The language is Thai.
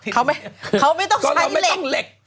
เขาไม่เขาไม่ต้องใช้เหล็กก็เราไม่ต้องเหล็ก